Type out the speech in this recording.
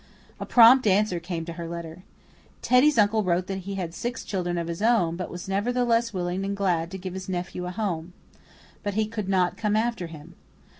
A prompt answer came to her letter. Teddy's uncle wrote that he had six children of his own, but was nevertheless willing and glad to give his little nephew a home. But he could not come after him.